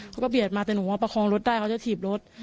เขาก็เบียดมาแต่หนูมาประคองรถได้เขาจะถีบรถ